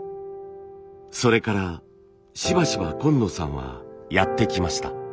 それからしばしば今野さんはやって来ました。